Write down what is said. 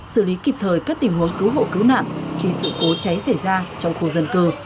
xử lý kịp thời các tình huống cứu hộ cứu nạn khi sự cố cháy xảy ra trong khu dân cư